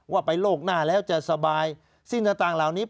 ว่าไปโลกหน้าแล้วจะสบายสิ้นต่างเหล่านี้